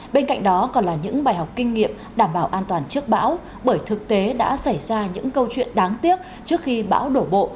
bên cạnh đó còn là những bài học kinh nghiệm đảm bảo an toàn trước bão bởi thực tế đã xảy ra những câu chuyện đáng tiếc trước khi bão đổ bộ